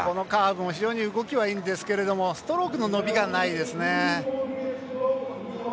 カーブも非常に動きはいいんですけどストロークの伸びがないですね。